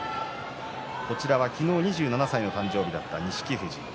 こちらは昨日２７歳の誕生日を迎えた錦富士です。